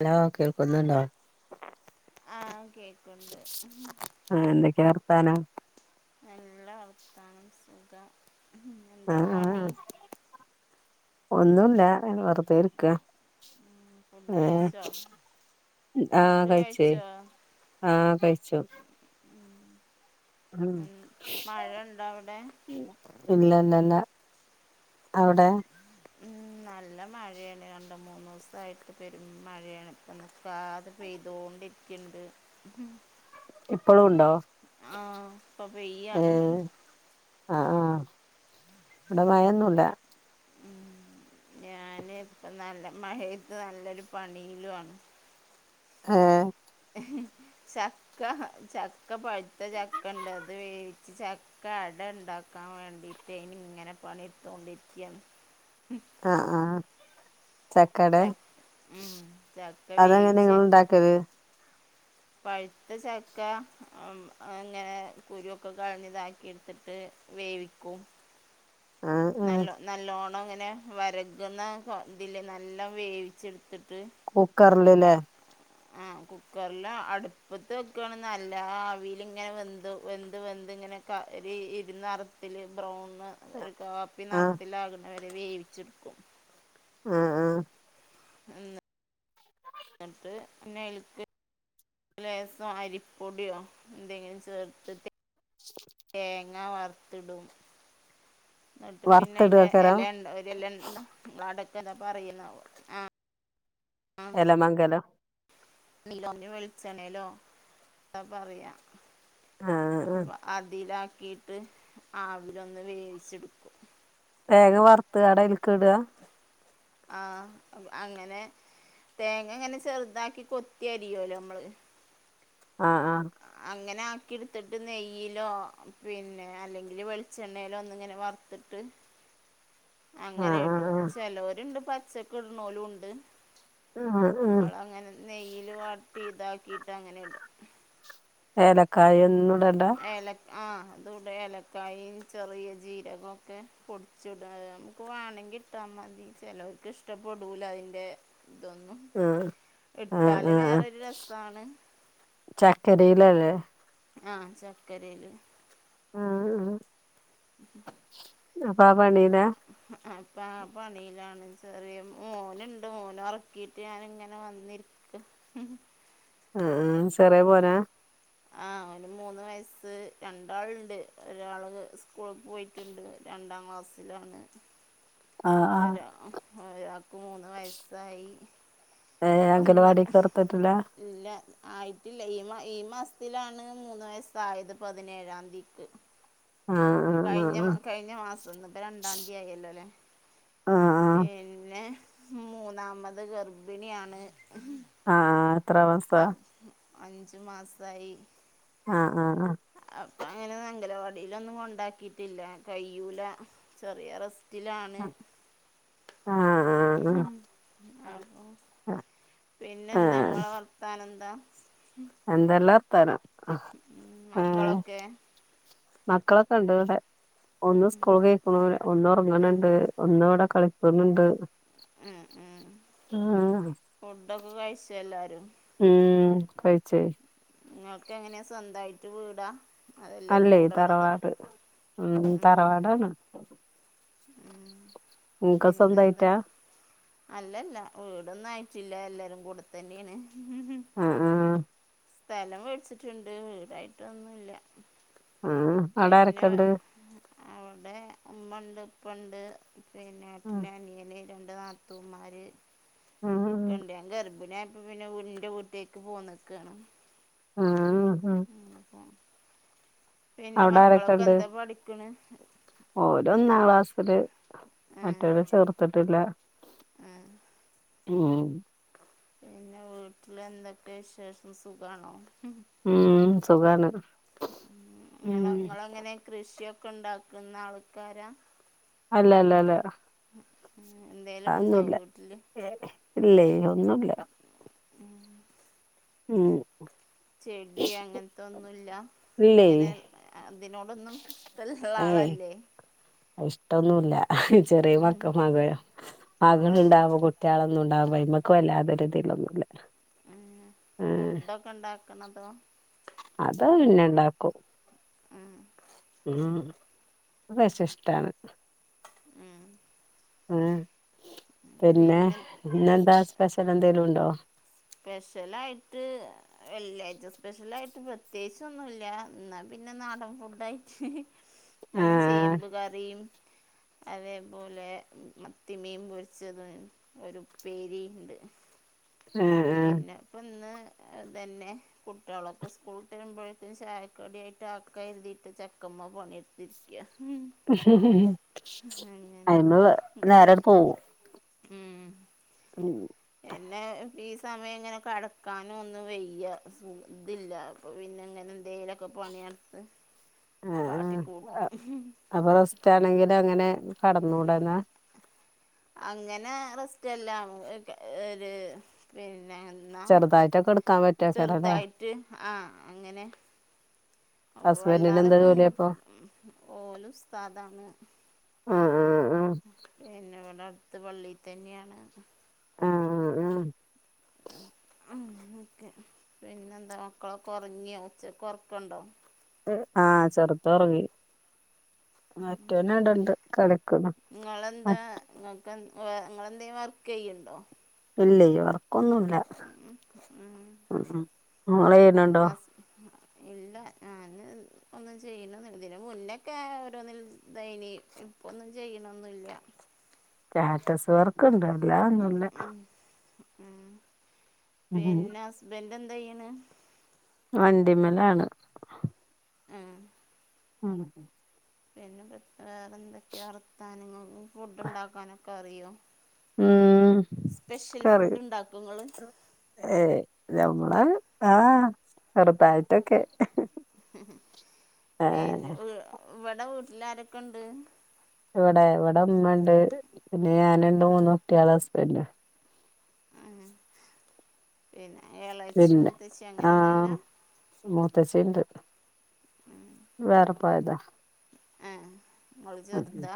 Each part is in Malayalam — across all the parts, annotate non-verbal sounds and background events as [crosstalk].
ഹലോ കേൾക്കുന്നുണ്ടോ ആഹ് കേക്ക്ണ്ട് ആഹ് ന്തൊക്കെയാ വർത്താനം നല്ല വർത്താനം സുഖം ആ എന്താ ആ പണി ഒന്നുല്ല വെറുതെ ഇരിക്കാണ് ഫുഡ് കഴിച്ചോ ആ ഫുഡ് കഴിച്ചേ കഴിച്ചോ ആ കഴിച്ചു ഉം മഴണ്ടോ അവിടെ ഇല്ല ഇല്ല ഇല്ല അവ്ടെ മം നല്ല മഴയാണ് കണ്ട മൂന്നൂസായിട്ട് പെരും മഴയാണ് ഇപ്പം നിക്കാതെ പെയ്തോണ്ടിരിക്ണ്ട് ഉം പ്പളും ണ്ടോ? ആഹ് ഇപ്പ പെയ്യാണ് ആഹ് ആഹ് ഇവിടെ മയൊന്നുല്ല ഉം ഞാന് ഇപ്പ നല്ല മഴയത്ത് നല്ലൊരു പണിയിലു ആണ് ആഹ് ചക്ക ചക്ക പഴുത്ത ചക്കണ്ട് അത് വേവിച്ച് ച അട ണ്ടാക്കാൻ വേണ്ടിട്ട് ഇനി ഇങ്ങനെ പണിയെടുത്തോണ്ടിരിക്കാ ആഹ് ആഹ് ചക്കടേ ച ഉം ചക്ക അതെങ്ങനെ വേവിച്ച് ങ്ങൾണ്ടാക് ക് [unintelligible] പഴുത്ത ചക്ക ഉം അങ്ങനെ കുരുക്കെ കളഞ്ഞ് ഇതാക്കി എടുത്തിട്ട് വേവിക്കും ആ ആ നല്ല നല്ലോണം ങ്ങനെ വെരകുന്ന ഇതില് നല്ല വേവിച്ചെടുത്തിട്ട് കുക്കർല് ലേ ആ കുക്കറില അടുപ്പത്ത് വക്കാണ് നല്ല ആ അവിയിലിങ്ങനെ വെന്ത് വെന്ത് വെന്ത് ഇങ്ങനെ ഇരുന്നറത്തില് ബ്രൗണ് ഒരു കാപ്പി ആ നറത്തിലാകുന്നവരെ വേവിച്ട്ക്കും. ആഹ് ഉം ട്ട് പിന്നെ അയിൽക്ക് രസോ അരിപ്പൊടിയോ എന്തെങ്കിലും ചേർത്തിട്ട് തേങ്ങ വറുത്തിടും എന്നിട്ട് പിന്നെ അയിന്റെ വറുത്തിടേക്കാരം എല ണ്ട ഒരു എല ണ്ടോ നിങ്ങളടക്ക എന്നാ പറയുന്നാവോ ആ എല മംഗലം നീലന്നു വെളിച്ചണേലോ അപ്പറയാ ആ ആ അ അതിലാക്കിയിട്ട് ആവിലൊന്ന് വേവിച്ചെടുക്കും. വേഗം വറുത്തുക്കാണ്ട് അയിൽക്ക് ഇടാ ആഹ് അങ്ങനെ തേങ്ങങ്ങനെ ചെറുതാക്കി കൊത്തി അരിയുല്ലോ നമ്മള് ആഹാ ആഹാ അങ്ങനെ ആക്കിട്ത്തിട്ട് നെയ്യിലോ പിന്നെ അല്ലെങ്കിൽ വെളിച്ചെണ്ണലോ ഒന്നി ഇങ്ങനെ വറ ത്ട്ട് [unintelligible] [inaudible] ആ ആ അങ്ങനെയിടും ആ ചേലോർണ്ട് പച്ചക്ക് ഇടുന്നോരും ഉണ്ട്. ആ ആ നമ്മളങ്ങനെ നെയ്യിൽ വാട്ടി ഇതാക്കിട്ട് അങ്ങനിടും ഏലക്കായ ഒ ഏലക് ആ അതുടെ ഇലക്കായിം ചെറിയ ജീരകക്കെ പൊടിച്ടാ നമുക്ക് വാണങ്കിൽ ചമ്മന്തി ചിലവർക്ക് ഇഷ്ടപ്പെടൂല അതിൻ്റെ ഇതൊന്നും ആഹ് ആഹ് ഇട്ടാല് ആഹ് വേറൊരു രസാണ് ചക്കരയിലല്ലേ ആഹ് ചക്കരേലും ആഹ് [unintelligible] അപ്പൊ ആ പണീലാ ഇപ്പൊ ആ പണിയിലാണ് ചെറിയ മോന്ണ്ട് മോനെ ഉറക്കിയിട്ട് ഞാാനിങ്ങനെ വന്നിരിക്ക ഉം അ ആ ചെറിയ മോനാ ആ അവന് മൂന്ന് വയസ്സ് രണ്ടാളുണ്ട് ഒരാള് സ്കൂളിൾക്ക് പോയി ണ്ട് രണ്ടാം ക്ലാസ്സിലാണ് ആഹ് ആഹ് ഒരാ ഒരാൾക്ക് മൂന്ന് വയസ്സായി ഏഹ് ഒന്ന് അംഗലവാടിക്ക് ചേർത്തിട്ടില്ല ഇല്ല ആയിട്ടില്ല ഈ ഈ മാസത്തിലാണ് മൂന്ന് വയസായത് പതിനേഴാം തീയ്ക്ക് ആ ആ കഴിഞ്ഞ കഴിഞ്ഞ മാസം ഇന്ന് ഇപ്പൊ രണ്ടാം തീയതിയല്ലോ അല്ലെ ആഹ് ആഹ് ആഹ് പിന്നെ മൂന്നാമത് ഗർഭിണിയാണ് ആഹ് എത്ര മാസമാ അഞ്ചു മാസയി ആഹ് ആഹ് ആഹ് അപ്പൊ അങ്ങനെ അംഗനവാടിയിലൊന്നും കൊണ്ടാക്കിട്ടില്ല കയ്യൂല ചെറിയ റെസ് ത്തിലാണ് ആഹ് ആഹ് ആഹ് ആഹ് ആ [unintelligible] പിന്നെന്താ നിങ്ങളെ വർത്താനം എന്താ എന്തല്ലാ വർത്താന ഉം മക്കളൊക്കെ മക്കളൊക്കെ ഉണ്ട് ഇവിടെ ഒന്ന് സ്കൂൾക്ക് പോയിക്കണ് ഒന്ന് ഉറങ്ങണണ്ട് ഒന്ന് ഇവിടെ കളിക്കുന്നുണ്ട് ആആ അ ഫുഡൊക്കെ കഴിച്ച എല്ലാരും ഉം കഴിച്ചു നിങ്ങൾക്ക് എങ്ങനെയാ സ്വന്തമായിട്ട് വീടാ അതെല്ലാരും അല്ലേ കൂടെ ഉള്ളത് തറവാട് ഉം തറവാടാണ് ഉം ഇങ്ങക്ക് പിന്നെന്താ സ്വന്തായിട്ടാ അല്ലല്ല വീടൊന്നും ആയിട്ടില്ല എല്ലാരും കൂടെത്തന്നെയാണ് ആ ആ സ്ഥലം മേടിച്ചിട്ടുണ്ട് വീടായിട്ടൊന്നുമില്ല ആഹ് അവിടെ പിന്നെ ആരൊക്കെണ്ട് അവിടെ ഉമ്മണ്ട് ഉപ്പുണ്ട് പിന്നെ ഉം ഏട്ടന് അനിയന് രണ്ട് നാത്തൂന്മാര് ഉം ഞാ [unintelligible] ൻ ഗർഭിണിയപ്പ പിന്നെ എന്റെ വീട്ടേക്ക് പോന്നക്കാണ് ഉം ഉം ഉ പിന്നെ [unintelligible] അവിടെ മക്കളൊക്കെ എന്താ പഠിക്കണ് ഓര് ഒന്നാം ക്ലാസില് മറ്റൊരെ ചേർത്തിട്ടില്ല ആഹ് ഉം പിന്നെ വീട്ടില് എന്തൊക്കെയ വിശേഷം സുഖണോ ഉം സുഖാണ് ഉം ഉം നിങ്ങളെങ്ങനെ കൃഷിയൊക്കെ ഉണ്ടാക്കുന്ന ആൾക്കാരാ അല്ല അല്ല അല്ല ഉം എന്തേലുണ്ടോ വീട്ടില് ഏയ്‌ ഇല്ലയ് ഒന്നൂല്ല ഉം ചെടി അങ്ങനത്തൊന്നൂല്ല ഇല്ലേ അങ്ങനെ അതിനോടൊന്നും [unintelligible] ആളല്ലേ ഇഷ്ടൊന്നൂല്ല ചെറിയ ഉം മക്കള്ളാ [unintelligible] ഉം മകളുണ്ടാവുമ്പോ കുട്യളൊന്നുണ്ടാവുമ്പോ ആയിമക്ക് വല്ലാത ഒരു [unintelligible] ഉം ഫുഡൊക്കെണ്ടാക്കണതോ അതോ പിന്നെണ്ടാക്കും ഉം അത് പക്ഷേഷ്ടാണ് ഉം ഉം പിന്നെ ഇന്നെന്താ സ്പെഷൽ എന്തെലുണ്ടോ സ്പെഷ്യലായിട്ട് വെള്ളിയാഴ്ച സ്പെഷ്യലായിട്ട് പ്രത്യേകിച്ച് ഒന്നൂല്ല എന്നാ പിന്നെ നാടൻ ഫുഡായിട്ട് അങ്ങനെ ആഹ് ചേമ്പ് കറീം അതേപോലെ മത്തിമീൻ പൊരിച്ചതും ഒരുപ്പേരീണ്ട് ഉം പിന്നെപ്പന്ന് ഇതെന്നേ കുട്യാളൊക്കെ സ്കൂളുട്ടേരുമ്പോഴേത്തിന് ചായക്കടിയായിട്ട് ആക്കാരുതീട്ട് ചക്കമ്മ പണിട്ത്തിരിക്കാ [unintelligible] അറിഞ്ഞുകൂടാ നേരട്ട് പോകും ഉം ഉം എന്നെ ഈ സമയം ഇങ്ങനെ കടക്കാനും ഒന്നും വെയ്യ സുഖ ഇതില്ല. അപ്പൊ പിന്നെങ്ങനെന്തേലൊക്കെ പണിട്ത്ത് [inaudible] കാട്ടിക്കൂട്ടും ഇക്കാണെങ്കിങ്ങനെ കടന്നൂടല്ലോ അങ്ങനെ റെസ്റ്റ് അല്ല ഒരു ഒരു പിന്നെ ന്നാ ചെറുതായിട്ടൊക്കെ എടുക്കാൻ പറ്റൊക്കാരല്ലേ ചെറുതായിട്ട് ആഹ് അങ്ങനെ ഹസ്ബൻഡിന് വല്ലാതെ എന്താ കുമ്പിട്ട് ജോലിയപ്പൊ ഓല് ഉസ്താദാണ് ആഹ് ആഹ് പിന്നെ ഇവിടെ അടുത്ത് പള്ളിതന്ന്യാണ് ആഹ് ആഹ് ഉം ങ്ങനൊക്കെ പിന്നെന്താ മക്കളൊക്കെ ഒറങ്ങിയോ, ഉച്ചക്ക് ഒറക്കണ്ടോ? ആഹ് ചെറുതൊറങ്ങി. മറ്റോനവടണ്ട് കടക്കണ് മറ്റോ ഇങ്ങക്ക് എന്ത്‌ എന്തെ വേ ഇങ്ങേളെലും വർക്കെയ്യ് ണ്ടോ? ഇല്ലേയ് വർക്കൊന്നുല്ല ഉം ഉം ഇങ്ങേളേയുണ്ടോ? പിന്നെ ഇല്ല ഞാന് ഒന്നും ചെയ്യ്ണോന്നുല്ല ഇതിന്റെ മുന്നൊക്കെ ഓരോന്നിലും ഇതൈനി ഇപ്പൊന്നും ചെയ്യ്ണൊന്നൂല്ല സ്റ്റാറ്റസ് വർക്കുണ്ട് അല്ലാതൊന്നൂല്ല ഉ ഉം പിന്നെ ഹസ്ബൻറ് എന്താ ചെയ്യണ് വണ്ടിമലാണ് ആഹാ ഉം ഉം പിന്നെ വേറൊന്തൊക്കെ വറത്താനങ്ങള് ഫുഡ്ണ്ടാക്കാനൊക്കെ അറിയോ? ഉം സ്പെഷ്യൽ ഫുഡ്ണ്ടാക്കൊങ്ങള് ഏയ് നമ്മള ആഹ് ആഹ് ചെറുത്തായിട്ടൊക്കെ പിന്നെ വീ ഇവിടെ വീട്ടിലാരൊക്കെണ്ട് ഇവിടെ ഇവിടെമ്മണ്ട് പിന്നെ ഞാനുണ്ട് മൂന്ന് കുട്യാളു ഹസ്ബന്റും ഉം പിന്നെ ഏളച്ചി മൂത്തച്ചി അങ്ങനെന്നൂല്ല മൂത്തച്ചീണ്ട് വേറെ പോയതാ. ആഹ് ങ്ങള് ചെറുതാ?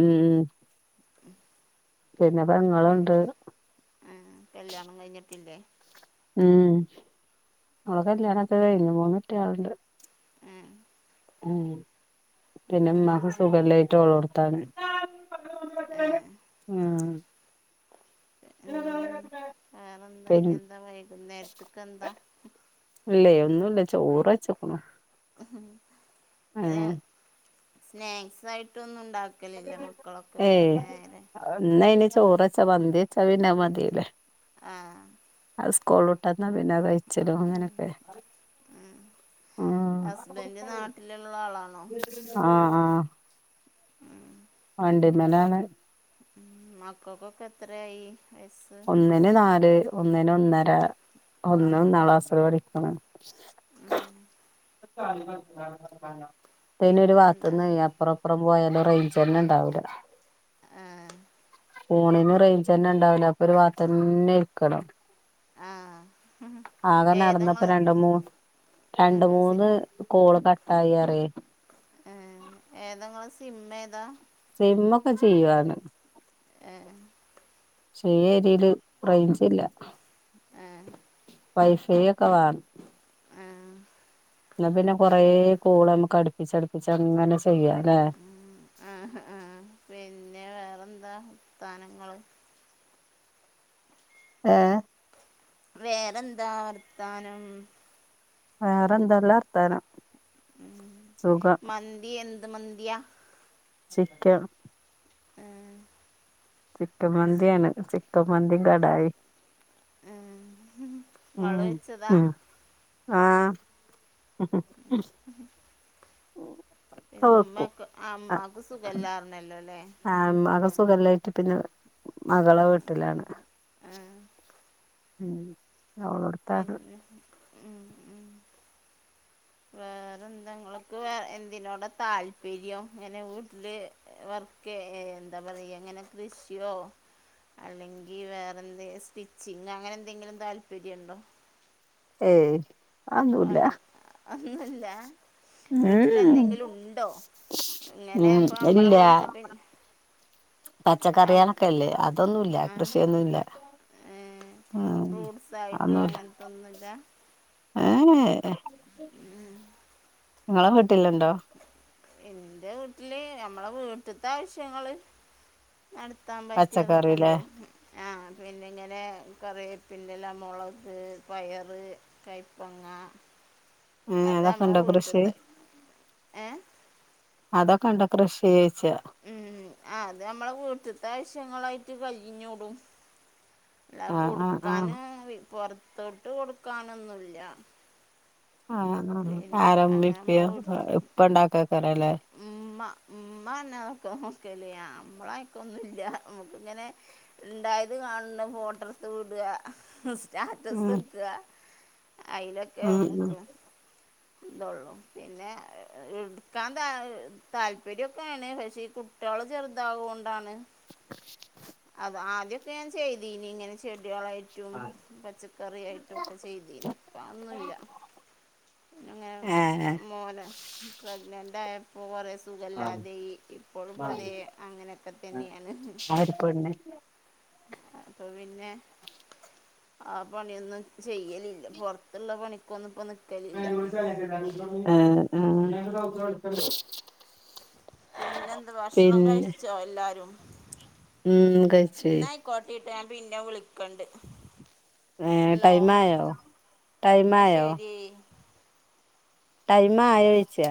ഉം [inaudible] പിന്നെ പെങ്ങളുണ്ട്. ആഹ് കല്യാണം കഴിഞ്ഞിട്ടില്ലേ? ഉം അവള കല്യാണക്കെ കഴിഞ്ഞു മൂന്ന് കുട്ടികളുണ്ട്. ആഹ് ഉം പിന്നെ ഉമ്മാക്ക് വേറെ സുഖല്ലായിട്ട് ഓളോടുത്താണ്. ആ ആഹ് ഉം പിന്നെ വേറെന്താ പിന്ന ഇനി എന്താ വൈകുന്നേരത്ത്ക്ക് എന്താ? ഇല്ലേ ഒന്നുല്ല ചോറ് വെച്ചേക്കുണു. ഏഹ് സ്നാക്സായിട്ടൊന്നും ഉണ്ടാക്ക ക്കലില്ല, മക്കളൊക്കെ വരുന്നേരെ എന്നാ ഇനി ചോറെച്ചാ മന്തിച്ചാ പിന്ന മതില്ലേ? ആഹ്. അത് സ്കൂളൂട്ടന്നാ പിന്നെ കഴിച്ചിടും അങ്ങനൊക്കെ. ഉം ഹസ്ബൻ്റ് നാട്ടിലുള്ള ആളാണോ? ആഹ് ആഹ് [inaudible] വണ്ടി മേലാണ്. ഉം മക്കക്കൊക്കെ എത്രായി വയസ്സ്? ഒന്നിന് നാല്, ഒന്നിന് ഒന്നര, ഒന്ന് ഒന്നാം ക്ലാസ്സില് പഠിക്കണ്. ഉം [inaudible] ന്തേനൊരു പിന്നെന്താ വാത്ത്ന്നേ അപ്പറപ്പറം പോയാല് റേഞ്ചന്നും ഉണ്ടാവില്ല. ആഹ് ഫോണീന്ന് റേഞ്ചന്നെ ഇണ്ടാവില്ല അപ്പൊ ഒരു വാത്തന്നെ ഇരിക്കണം. ആഹ് ആകെ നടന്നപ്പോ ഏതങ്ങള് രണ്ട് മൂന്ന്, രണ്ട് ഏഹ് സി മൂന്ന് കോള് കട്ടായി അറിയേ ഏഹ് ഏതാ നിങ്ങളെ സിമ്മേതാ? സിമ്മൊക്കെ ചെയ്യൂവാണ്. ആഹ് പക്ഷേ ഈ ഏരിയലില് റേഞ്ചില്ല, ഏഹ് വൈഫൈക്കെ വേണം. ആഹ് എന്ന പിന്നെ കൊറേ പി കോള് നമ്മുക്ക് അടുപ്പിച്ചടുപ്പിച്ച് അങ്ങനെ ചെയ്യാല്ലെ ആഹ് ആഹ് പിന്നെ വേ അതെന്താ വർത്താനങ്ങള്? ഏഹ് വേറെന്താ വർത്താനം? വേറെന്തല്ലാർത്താനം? ഉം മന്തി എന്ത് മന്തിയാ? ചിക്കൻ ആഹ് ചിക്കൻ മന്തിയാണ്, ചിക്കൻ മന്തീം കടായി ങ്ങള് ഉം വെച്ചതാ? ഉം ആഹ് [inaudible] ഇപ്പ പിന്നെ വെക്കും ഉമ്മക്ക് ആ ഉമ്മാക്ക് ആഹ് സുഖല്ലാർന്നല്ലോ അല്ലേ ആഹ് അവ സുഖല്ലേ? പ്പ പിന്നെ മകള വീട്ടിലാണ്. ആഹ് ഉം അവളോടുത്താണ് പിന്നെ ഉം, ഉം. വേറെന്താ ഇങ്ങൾക്ക് എന്തിനോടാ താല്പര്യം ഇങ്ങനെ വീട്ടില് വർക്കെ എന്താ പറയാ ഇങ്ങനെ കൃഷിയോ? അല്ലെങ്കി വേറെന്തേം സ്റ്റിച്ചിങ് അങ്ങനെ എന്തെങ്കിലും താല്പര്യം ഇണ്ടോ? ഏയ് അതൊന്നുല്ല അങ്ങനെ ഒന്നുല്ല ഉം വീട്ടിലെന്തെങ്കിലും ഉണ്ടോ? ഇങ്ങനെ ഇപ്പ നമ്മളെ വീട്ടില്. പച്ചക്കറിയേളക്കെല്ലെ അതൊന്നുല്ല. കൃഷിയൊന്നുല്ല. ഉം ഫ്രൂട്ട്സ് ആയിട്ടു അതൊന്നുല്ല അങ്ങനത്തൊന്നുല്ല? [unintelligible] [inaudible] ഇങ്ങളെ വീട്ടില്ണ്ടോ? ഇന്റെ വീട്ടില് നമ്മളെ വീട്ട്ത്തെ ആവശ്യങ്ങള്. നടത്താൻ പറ്റിയതൊക്കെ ഇണ്ട്. പച്ചക്കറില്ലേ ആ പിന്നെ ഇങ്ങനെ കറിവേപ്പിന്റെല മൊളക് പയറ്. കയ്പ്പങ്ങാ [unintelligible] ഏഹ് അതൊക്കെ ഇണ്ട് കൃഷി ചോയ്ച്ച. ഉം, അത് നമ്മളെ വീട്ട്ത്താവശ്യങ്ങളായിട്ട് കയിഞ്ഞൂടും. എല്ല ആഹ് ആഹ് ആഹ് കൊടുക്കാന് ഇ പൊറത്തോട്ട് കൊടുക്കാനൊന്നുല്ല. ആഹ് [unintelligible] ആരമ്മീം അങ്ങനെ ഇപ്പിയോ ഇപ്പ ഉണ്ടാക്കെക്കാരല്ലെ ഇമ്മ ഇമ്മന്നാട്ടോ [unintelligible] മ്മളായിട്ട് ഒന്നുല്ല നമ്ക്ക് ഇങ്ങനെ ഇണ്ടായത് കാണ്‌ണ ഫോട്ടേട്ത് വിടാ ഉം സ്റ്റാറ്റസെക്ക അയിലൊക്കെ ഉം ഉം നമ്മക്കും. ഇതള്ളു പിന്നെ എടുക്കാൻ ത താല്പര്യൊക്കെയാണ്. പക്ഷേ ഈ കുട്ട്യോൾ ഇതാവോണ്ടാണ് അത് ആദ്യൊക്കെ ഞാൻ ചെയ്തീനി. ഇങ്ങനെ. ചെട്യേളായിട്ടും പച്ചക്കറിയായിട്ടും ഒക്കെ ചെയ്തീനി ഇപ്പതൊന്നുല്ല. അങ്ങനെ ഏഹ് മോന് പ്രഗ്നന്റായ- ഇപ്പ കുറെ ആഹ് സുഖല്ലാതിം ഇപ്പോഴും പതേ അങ്ങനെയൊക്കെ തന്നെയാണ്. [unintelligible] പെണ്ണ് അപ്പൊ പിന്നെ ആ പണിയൊന്നും. ചെയ്യലില്ല. പൊറത്തുള്ള പണിക്കൊന്നും ഇപ്പം നിക്കലില്ല. [unintelligible] പിന്നെന്ത് ഭക്ഷണം പിന്നെ കഴിച്ചോ എല്ലാരും? ഉം കയിച്ചാര് [unintelligible] ട്ടേട്ടാ പിന്നെ വിളിക്കണ്ട്. ഏഹ് ഹലോ ടൈമായോ ടൈമായോ ന്നശരി. ടൈംമായോയ്ച്ച.